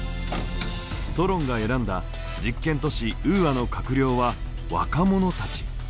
ソロンが選んだ実験都市ウーアの閣僚は若者たち。